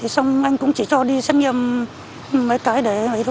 xong anh cũng chỉ cho đi xét nghiệm mấy cái để